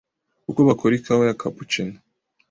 uko bakora ikawa ya cappuccino